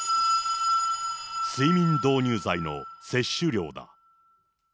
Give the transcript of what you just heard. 睡眠導入剤の摂取量だ。